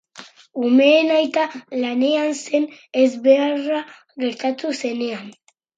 Umeen aita lanean zen ezbeharra gertatu zenean.